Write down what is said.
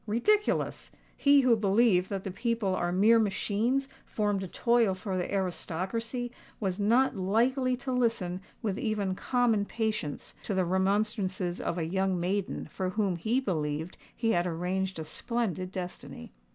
Ridiculous! He who believed that the people are mere machines formed to toil for the aristocracy, was not likely to listen with even common patience to the remonstrances of a young maiden for whom he believed he had arranged a splendid destiny.